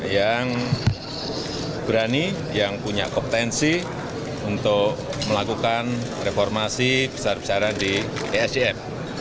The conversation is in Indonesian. yang berani yang punya kompetensi untuk melakukan reformasi besar besaran di esdm